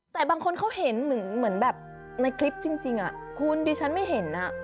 แต่บางคนเขาเห็นเหมือนแบบในคลิปจริงคุณดิฉันไม่เห็น